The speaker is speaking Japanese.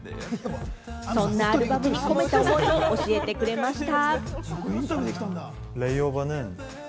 そんなアルバムに込めた思いを教えてくれました。